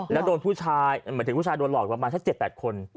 แล้วโดนผู้ชายหมายถึงผู้ชายโดนหลอกประมาณสัก๗๘คน